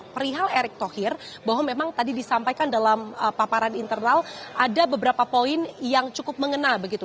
perihal erick thohir bahwa memang tadi disampaikan dalam paparan internal ada beberapa poin yang cukup mengena begitu